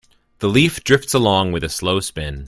The leaf drifts along with a slow spin.